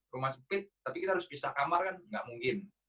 rumah sempit tapi kita harus pisah kamar kan nggak mungkin